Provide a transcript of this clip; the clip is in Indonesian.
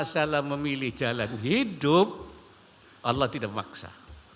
salah memilih jalan hidup allah tidak maksa